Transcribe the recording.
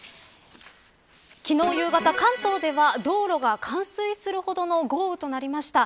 昨日夕方、関東では道路が冠水するほどの豪雨となりました。